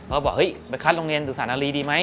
เขาก็บอกไปคัดโรงเรียนตุสานาลีดีไหม